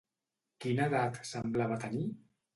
Quina edat semblava tenir?